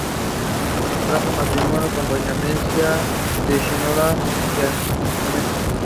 Contrajo matrimonio con Doña Mencía de Spínola Villavicencio.